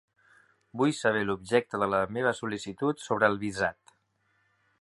Vull saber l'objecte de la meva sol·licitut sobre el visat.